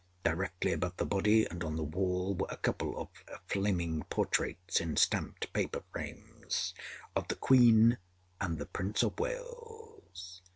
Directly above the body and on the wall, were a couple of flaming portraits, in stamped paper frames, of the Queen and the Prince of Wales.